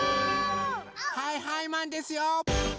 はいはいマンですよ！